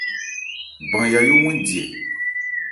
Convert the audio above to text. Ban Yayó wɛn di ɛ ?